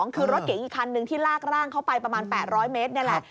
คือรถเก๋งอีกคันนึงที่ลากร่างเขาไปประมาณ๘๐๐เมตรนี่แหละ